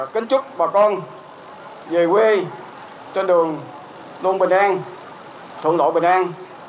kính chúc bà con về quê trên đường tôn bình an thuận lộ bình an